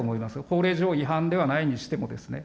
法令上、違反ではないにしてもですね。